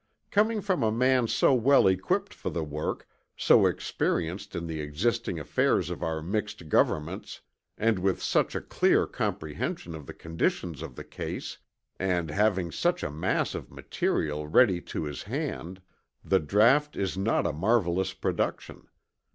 Coming from a man so well equipped for the work, so experienced in the existing affairs of our mixed governments and with such a clear comprehension of the conditions of the case, and having such a mass of material ready to his hand, the draught is not a marvelous production.